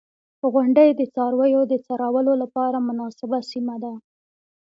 • غونډۍ د څارویو د څرولو لپاره مناسبه سیمه ده.